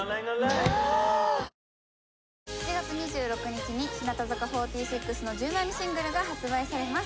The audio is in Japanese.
ぷはーっ７月２６日に日向坂４６の１０枚目シングルが発売されます。